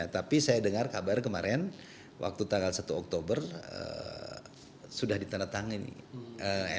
tapi saya dengar kabar kemarin waktu tanggal satu oktober sudah ditandatangani nih